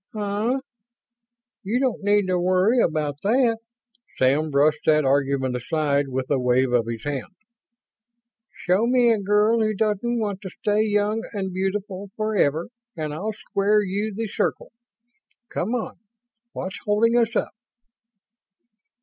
"Huh; you don't need to worry about that." Sam brushed that argument aside with a wave of his hand. "Show me a girl who doesn't want to stay young and beautiful forever and I'll square you the circle. Come on. What's holding us up?"